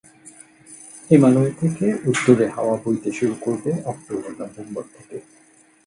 হিমালয় থেকে উত্তুরে হাওয়া বইতে শুরু করবে অক্টোবর নভেম্বর থেকে।